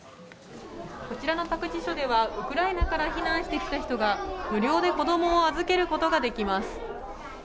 こちらの託児所ではウクライナから避難してきた人が無料で子供を預けることができます。